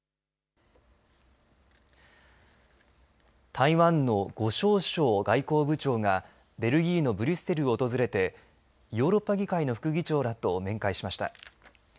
台湾の呉ショウ燮外交部長がベルギーのブリュッセルを訪れてヨーロッパ議会の副議長らと面会しました。